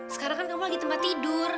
sekarang kan kamu lagi tempat tidur